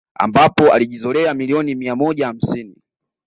Ambapo alijizolea milioni mia moja hamsini